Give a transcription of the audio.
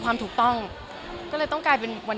เราคุยกันทุกวัน